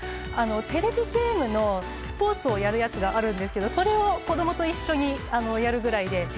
テレビゲームのスポーツをやるやつがありますがそれを子供と一緒にやるぐらいで。